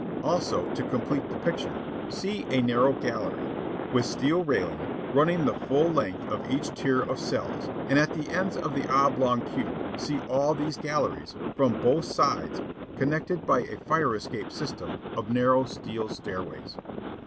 Also, to complete the picture, see a narrow gallery, with steel railing, running the full length of each tier of cells and at the ends of the oblong cube see all these galleries, from both sides, connected by a fire escape system of narrow steel stairways.